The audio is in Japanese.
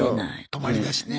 泊まりだしね。